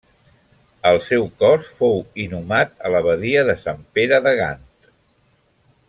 El seu cos fou inhumat a l'abadia Sant Pere de Gant.